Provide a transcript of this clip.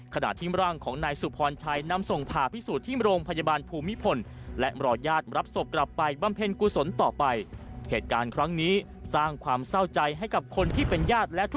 คณะที่ร่างของไหนสุพริชัย